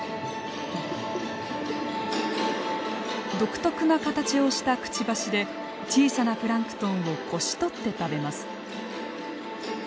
独特な形をしたくちばしで小さなプランクトンをこしとって食べます。